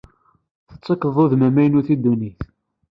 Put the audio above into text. Tettakeḍ udem ajdid i ddunit.